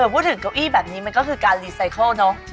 พูดถึงเก้าอี้แบบนี้มันก็คือการรีไซเคิลเนอะ